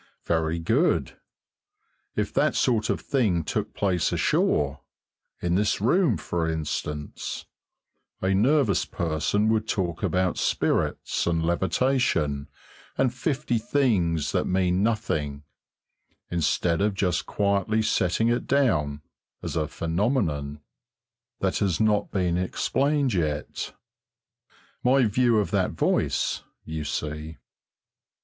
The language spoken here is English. Very good. If that sort of thing took place ashore, in this room for instance, a nervous person would talk about spirits and levitation and fifty things that mean nothing, instead of just quietly setting it down as a "phenomenon" that has not been explained yet. My view of that voice, you see.